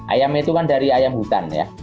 ayam itu kan dari ayam hutan ya